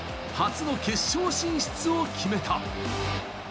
初の決勝進出を決めた。